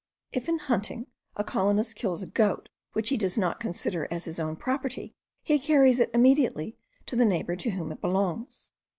If in hunting, a colonist kills a goat which he does not consider as his own property, he carries it immediately to the neighbour to whom it belongs.